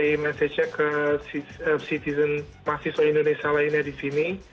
rilis mesejnya ke citizen mahasiswa indonesia lainnya di sini